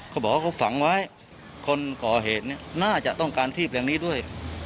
เขาบอกว่าเขาฝังไว้คนก่อเหตุเนี่ยน่าจะต้องการที่เพลงนี้ด้วย